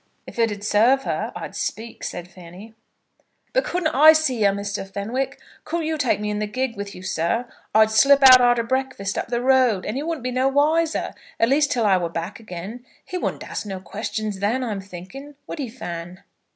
"If it'd serve her, I'd speak," said Fanny. "But couldn't I see her, Mr. Fenwick? Couldn't you take me in the gig with you, sir? I'd slip out arter breakfast up the road, and he wouldn't be no wiser, at least till I war back again. He wouldn't ax no questions then, I'm thinking. Would he, Fan?"